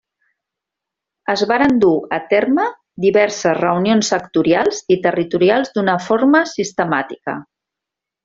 Es varen dur a terme diverses reunions sectorials, i territorials d'una forma sistemàtica.